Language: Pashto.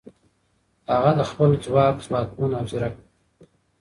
هغه د خپل ځواک ځواکمن او ځیرک و.